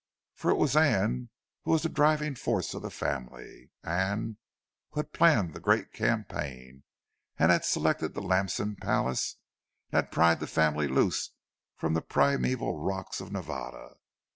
For it was Anne who was the driving force of the family! Anne who had planned the great campaign, and selected the Lamson palace, and pried the family loose from the primeval rocks of Nevada!